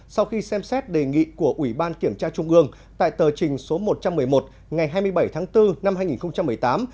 sau khi xem xét đề nghị của ủy ban kiểm tra trung ương tại tờ trình số một trăm một mươi một ngày hai mươi bảy tháng bốn năm hai nghìn một mươi tám